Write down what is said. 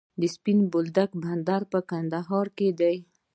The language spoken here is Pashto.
د سپین بولدک بندر په کندهار کې دی